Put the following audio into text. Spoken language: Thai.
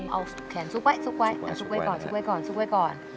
เอาแขนซุกไว้ก่อน